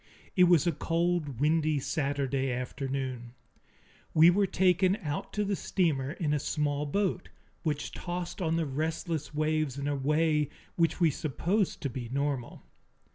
It was a cold, windy Saturday afternoon. We were taken out to the steamer in a small boat, which tossed on the restless waves in a way which we supposed to be normal.